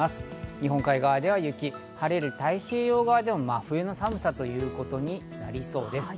日本海側では雪、晴れる太平洋側では真冬の寒さとなりそうです。